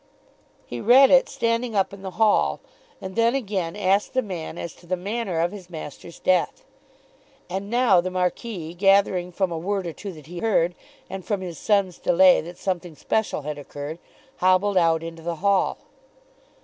He read it standing up in the hall, and then again asked the man as to the manner of his master's death. And now the Marquis, gathering from a word or two that he heard and from his son's delay that something special had occurred, hobbled out into the hall.